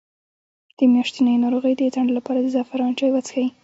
د میاشتنۍ ناروغۍ د ځنډ لپاره د زعفران چای وڅښئ